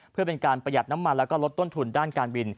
เพื่อเป็นการประหยัดน้ำมันแล้วก็ลดต้นทุนด้านการบิน